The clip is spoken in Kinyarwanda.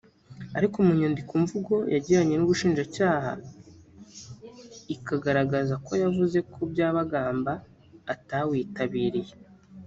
ariko mu nyandiko mvugo yagiranye n’ ubushinjacyaha ikagaragaza ko yavuze ko Byabagamba atawitabiriye